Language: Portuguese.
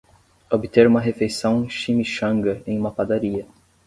Obter uma refeição chimichanga em uma padaria